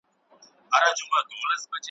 کشکي نه وای شاعر سوی د بدبخت اولس په ژبه `